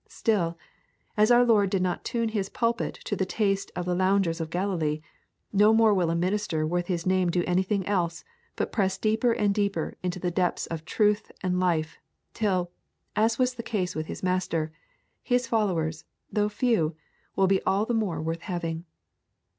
Still, as our Lord did not tune His pulpit to the taste of the loungers of Galilee, no more will a minister worth the name do anything else but press deeper and deeper into the depths of truth and life, till, as was the case with his Master, his followers, though few, will be all the more worth having.